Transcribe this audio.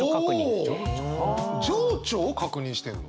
情緒を確認してんの？